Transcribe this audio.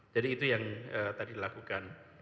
jadi itu yang tadi dilakukan